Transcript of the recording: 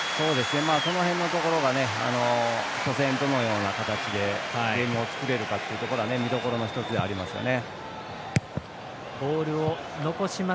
その辺のところが初戦、どのような形でゲームを作れるかっていうところ見どころの１つではありますね。